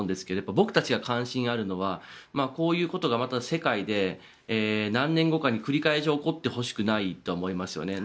僕たちが関心があるのはこういうことが世界で何年後かに繰り返し起こってほしくないとは思います。